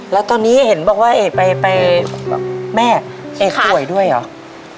แล้วตอนนี้เห็นบอกว่าเอกไปแม่เอกป่วยด้วยเหรอ